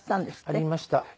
ありました。